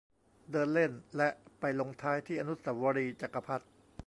เดินเล่นและไปลงท้ายที่อนุสาวรีย์จักรพรรดิ์